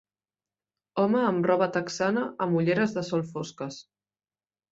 Home amb roba texana amb ulleres de sol fosques.